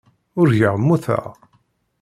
Urgaɣ mmuteɣ.